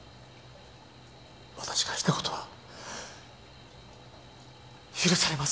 私がした事は許されません。